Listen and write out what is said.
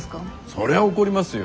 そりゃあ怒りますよ。